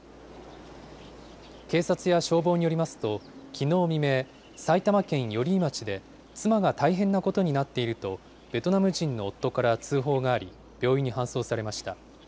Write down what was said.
警察や消防によりますと、きのう未明、埼玉県寄居町で、妻が大変なことになっていると、ベトナム人の夫から通報があり、病院に搬送されました。